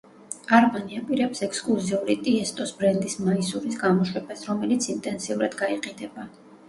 არმანი აპირებს ექსკლუზიური ტიესტოს ბრენდის მაისურის გამოშვებას, რომელიც ინტენსიურად გაიყიდება.